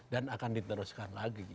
dan akan diteruskan lagi